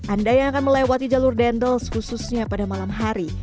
anda yang akan melewati jalur dendels khususnya pada malam hari